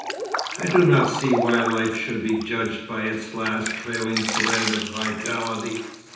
'I do not see why life should be judged by its last trailing thread of vitality....